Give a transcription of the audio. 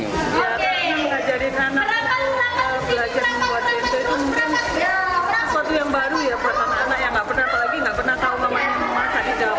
ya karena mengajari anak untuk belajar membuat bento itu mungkin sesuatu yang baru ya buat anak anak yang nggak pernah tahu memakan di dapur atau di sana